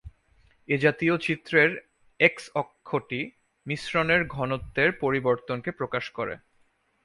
এ জাতীয় চিত্রের এক্স-অক্ষটি মিশ্রণের ঘনত্বের পরিবর্তনকে প্রকাশ করে।